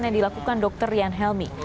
yang dilakukan dr rian helmi